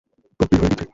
Goblin হয়ে গেছে।